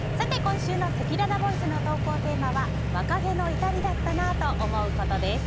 今週のせきららボイスの投稿テーマは若気の至りだったなぁと思うことです。